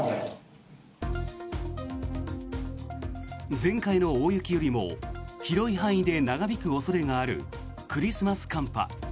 前回の大雪よりも広い範囲で長引く恐れがあるクリスマス寒波。